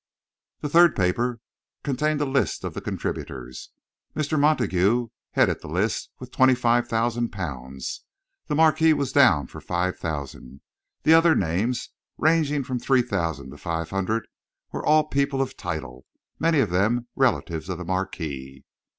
The third paper contained a list of the contributors. Mr. Montague headed the list with twenty five thousand pounds. The Marquis was down for five thousand. The other names, ranging from three thousand to five hundred, were all people of title, many of them relatives of the Marquis.